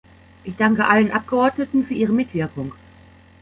Ich danke allen Abgeordneten für ihre Mitwirkung.